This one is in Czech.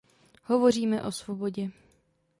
Hovoříme o svobodě.